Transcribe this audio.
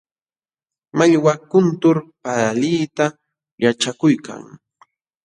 Mallwa kuntur paalita yaćhakuykan.